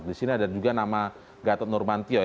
di sini ada juga nama gatot nurmantio